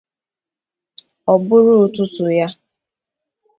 ọ bụrụ ụtụtụ ya.